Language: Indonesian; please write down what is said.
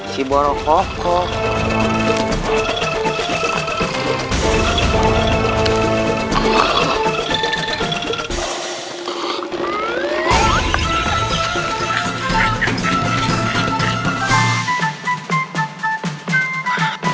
si buruk kokoh